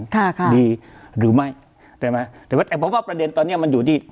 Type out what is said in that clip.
ค่ะค่ะดีหรือไม่ใช่ไหมแต่ว่าผมว่าประเด็นตอนเนี้ยมันอยู่ที่